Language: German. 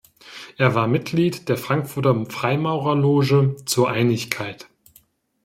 Er war Mitglied der Frankfurter Freimaurerloge "Zur Einigkeit".